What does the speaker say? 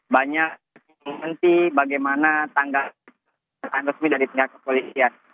banyak mengerti bagaimana tanggapan resmi dari pihak kepolisian